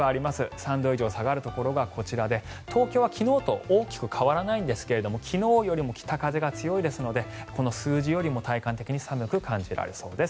３度以上下がるところがこちらで東京は昨日と大きく変わらないんですが昨日よりも北風が強いですのでこの数字よりも体感的に寒く感じられそうです。